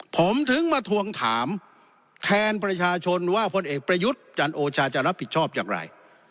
ผมถึงมาทวงถามแทนประชาชนว่าพลเอกประยุทธ์จันโอชาจะรับผิดชอบอย่างไร